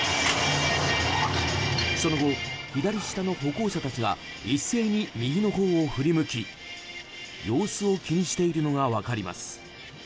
その後、左下の歩行者たちは一斉に右のほうを振り向き様子を気にしているのが分かります。